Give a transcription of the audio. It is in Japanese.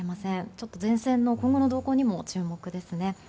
ちょっと前線の今後の動向にも注目ですね。